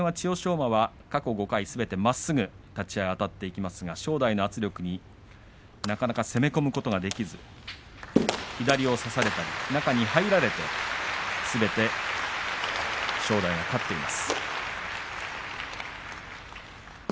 馬、過去５回まっすぐあたっていますが正代の圧力に、なかなか攻め込むことができず左を差されて中に入られてすべて正代が勝っています。